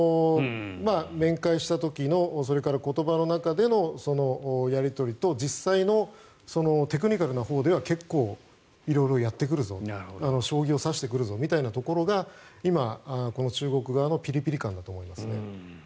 面会した時のそれから言葉の中でのやり取りと実際のテクニカルなほうでは結構、色々やってくるぞ将棋を指してくるぞみたいなところが今、中国側のピリピリ感だと思いますね。